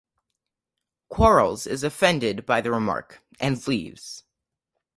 Quarles is offended by the remark and leaves.